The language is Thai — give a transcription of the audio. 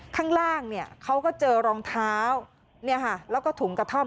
ข้างล่างเนี่ยเขาก็เจอรองเท้าเนี่ยค่ะแล้วก็ถุงกระท่อม